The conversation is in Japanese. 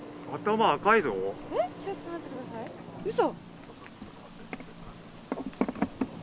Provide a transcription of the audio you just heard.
え、ちょっと待ってください、うそ！